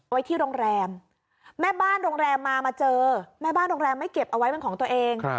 ไว้ที่โรงแรมแม่บ้านโรงแรมมามาเจอแม่บ้านโรงแรมไม่เก็บเอาไว้เป็นของตัวเอง